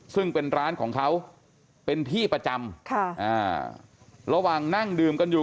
ซึ่งเป็นร้านของเขาเป็นที่ประจำค่ะอ่าระหว่างนั่งดื่มกันอยู่